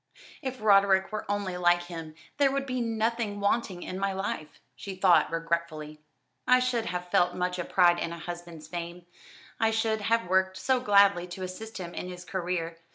"If Roderick were only like him there would be nothing wanting in my life," she thought regretfully. "I should have felt much a pride in a husband's fame, I should have worked so gladly to assist him in his career.